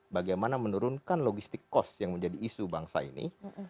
bagaimana menurunkan logistik cost yang menjadi isu bangsa ini